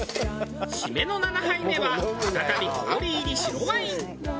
締めの７杯目は再び氷入り白ワイン。